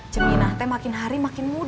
ceminah t makin hari makin muda